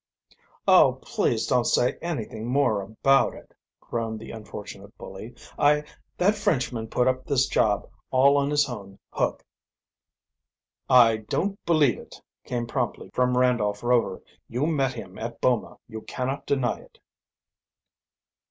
"Oh, please don't say anything more about it!" groaned the unfortunate bully. "I that Frenchman put up this job all on his own hook." "I don't believe it," came promptly from Randolph Rover. "You met him, at Boma; you cannot deny it."